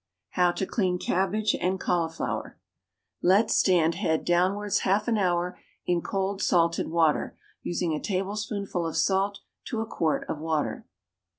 =How to Clean Cabbage and Cauliflower.= Let stand head downwards half an hour in cold salted water, using a tablespoonful of salt to a quart of water.